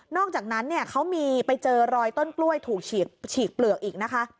อกจากนั้นเนี่ยเขามีไปเจอรอยต้นกล้วยถูกฉีกเปลือกอีกนะคะ